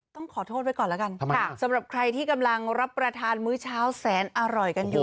ต้องขอโทษไว้ก่อนแล้วกันค่ะสำหรับใครที่กำลังรับประทานมื้อเช้าแสนอร่อยกันอยู่